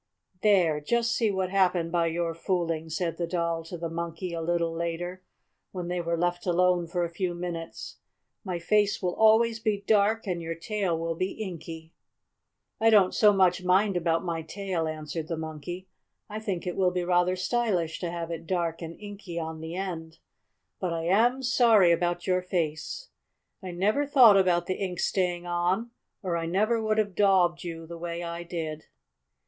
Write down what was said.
"There! Just see what happened by your fooling!" said the Doll to the Monkey a little later, when they were left alone for a few minutes. "My face will always be dark, and your tail will be inky." "I don't so much mind about my tail," answered the Monkey. "I think it will be rather stylish to have it dark and inky on the end. But I am sorry about your face. I never thought about the ink staying on or I never would have daubed you the way I did."